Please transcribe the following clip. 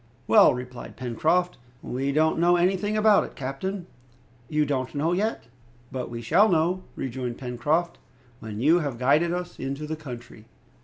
"Well!" replied Pencroft, "we don't know anything about it, captain!" "You don't know yet?" "But we shall know," rejoined Pencroft, "when you have guided us into the country."